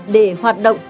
để hoạt động